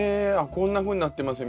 こんなふうになってますよ